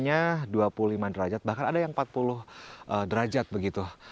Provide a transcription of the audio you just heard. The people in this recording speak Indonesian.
hanya dua puluh lima derajat bahkan ada yang empat puluh derajat begitu